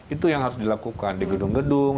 itu yang harus dilakukan di gedung gedung